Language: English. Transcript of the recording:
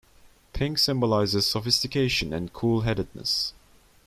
Pink symbolizes sophistication, and cool-headedness.